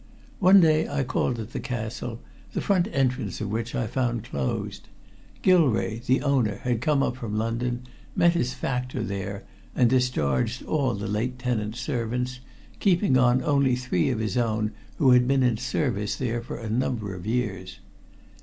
One day I called at the castle, the front entrance of which I found closed. Gilrae, the owner, had come up from London, met his factor there, and discharged all the late tenant's servants, keeping on only three of his own who had been in service there for a number of years.